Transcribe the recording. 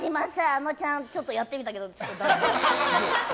あのちゃんちょっとやってみたけどだめだ。